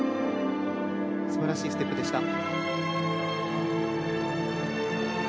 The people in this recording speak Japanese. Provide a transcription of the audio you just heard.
素晴らしいステップでした。